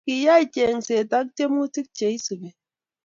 Kiyai chengset ak tiemutik cheisubi